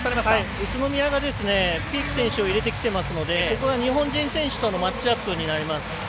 宇都宮がピーク選手を入れてきてますので日本選手とのマッチアップになります。